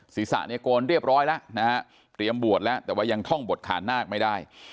ศีรษะเนี่ยโกนเรียบร้อยแล้วนะฮะเตรียมบวชแล้วแต่ว่ายังท่องบวชขานาคไม่ได้